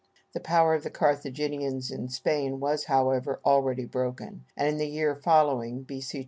The power of the Carthaginians in Spain was, however, already broken, and in the year following (B.C.